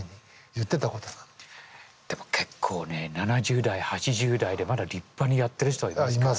でも結構ね７０代８０代でまだ立派にやってる人はいますからね。